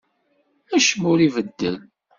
Acemma ur ibeddel.